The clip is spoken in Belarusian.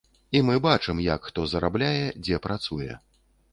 І мы бачым, як хто зарабляе, дзе працуе.